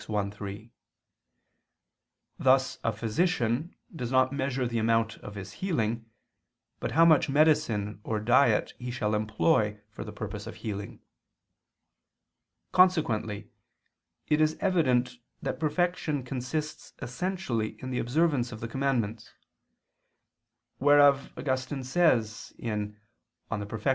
i, 3); thus a physician does not measure the amount of his healing, but how much medicine or diet he shall employ for the purpose of healing. Consequently it is evident that perfection consists essentially in the observance of the commandments; wherefore Augustine says (De Perf.